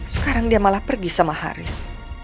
sekarang dia malah pergi sama haris